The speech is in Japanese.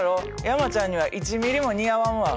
山ちゃんには１ミリも似合わんわ。